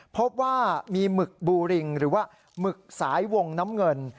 พบว่ามีหมึกบูริงหรือว่าหมึกสายวงน้ำเงิน